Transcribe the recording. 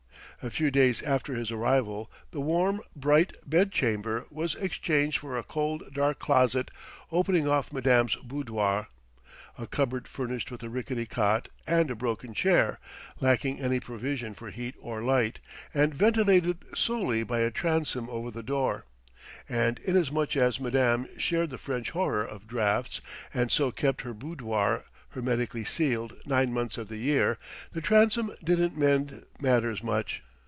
A few days after his arrival the warm, bright bed chamber was exchanged for a cold dark closet opening off Madame's boudoir, a cupboard furnished with a rickety cot and a broken chair, lacking any provision for heat or light, and ventilated solely by a transom over the door; and inasmuch as Madame shared the French horror of draughts and so kept her boudoir hermetically sealed nine months of the year, the transom didn't mend matters much.